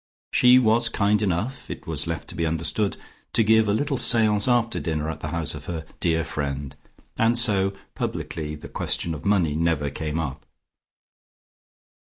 She was kind enough, it was left to be understood, to give a little seance after dinner at the house of her "dear friend," and so, publicly, the question of money never came up.